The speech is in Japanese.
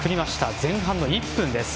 前半の１分です。